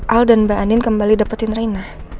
al dan mbak andin kembali dapetin reina